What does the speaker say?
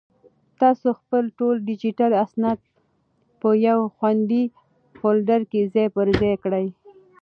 تاسو خپل ټول ډیجیټل اسناد په یو خوندي فولډر کې ځای پر ځای کړئ.